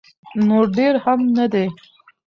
نو ډیر هم نه دي.